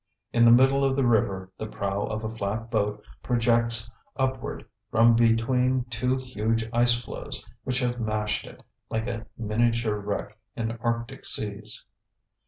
In the middle of the river the prow of a flat boat projects upward from between two huge ice floes which have mashed it, like a miniature wreck in arctic seas.